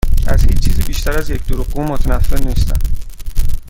از هیچ چیزی بیشتر از یک دروغگو متنفر نیستم.